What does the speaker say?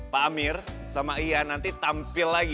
pak amir sama iya nanti tampil lagi